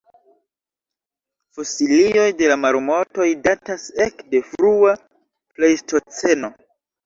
Fosilioj de la marmotoj datas ekde frua plejstoceno.